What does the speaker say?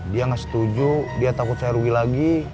dia nggak setuju dia takut saya rugi lagi